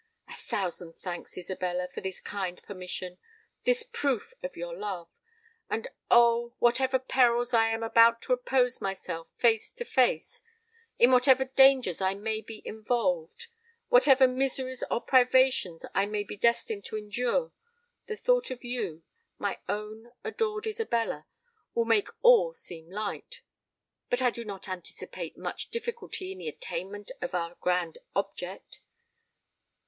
"A thousand thanks, Isabella, for this kind permission—this proof of your love. And, oh! to whatever perils I am about to oppose myself face to face,—in whatever dangers I may be involved,—whatever miseries or privations I may be destined to endure,—the thought of you, my own adored Isabella, will make all seem light! But I do not anticipate much difficulty in the attainment of our grand object.